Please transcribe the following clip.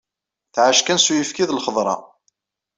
Tɛac kan s uyefki d lxeḍra.